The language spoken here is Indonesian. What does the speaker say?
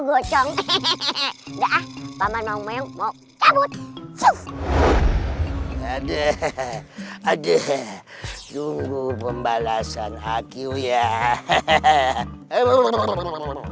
gocong hehehe paman mau mau mau cabut ade ade sungguh pembalasan hakiu ya hehehe